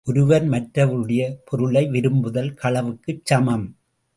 ஒருவர் மற்றவருடைய பொருளை விரும்புதல் களவுக்குச் சமம்!